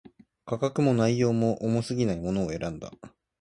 価格も、内容も、重過ぎないものを選んだ